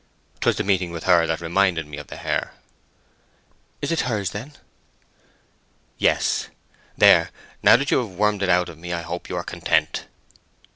"'Twas the meeting with her that reminded me of the hair." "Is it hers, then?" "Yes. There, now that you have wormed it out of me, I hope you are content."